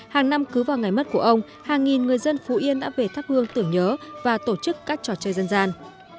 hàng năm cứ vào ngày mất của ông hàng nghìn người dân phú yên đã về thắp hương tưởng nhớ và tổ chức các trò chơi dân gian